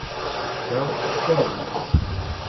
Fukkeɣ d tamenzut.